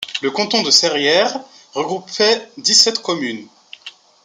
Le canton de Serrières regroupait dix-sept communes.